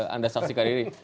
anda saksikan ini